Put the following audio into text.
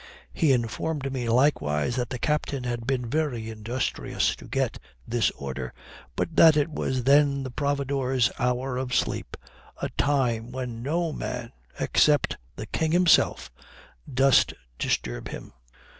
He informed me likewise that the captain had been very industrious to get this order, but that it was then the providore's hour of sleep, a time when no man, except the king himself, durst disturb him.